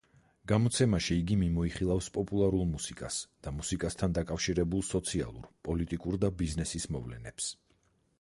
გამოცემაში იგი მიმოიხილავს პოპულარულ მუსიკას და მუსიკასთან დაკავშირებულ სოციალურ, პოლიტიკურ და ბიზნესის მოვლენებს.